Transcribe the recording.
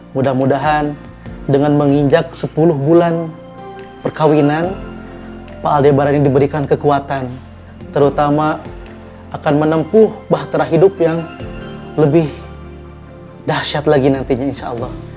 mudah mudahan dengan menginjak sepuluh bulan perkawinan pak al debar ini diberikan kekuatan terutama akan menempuh bahtera hidup yang lebih dahsyat lagi nantinya insya allah